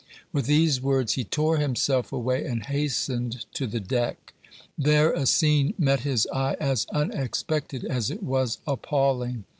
With these words he tore himself away and hastened to the deck. There a scene met his eye as unexpected as it was appalling.